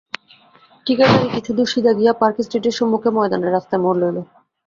ঠিকাগাড়ি কিছুদূর সিধা গিয়া পার্ক স্ট্রীটের সম্মুখে ময়দানের রাস্তায় মোড় লইল।